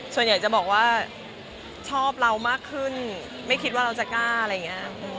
ส่วนใหญ่จะบอกว่าชอบเรามากขึ้นไม่คิดว่าเราจะกา